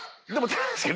確かに。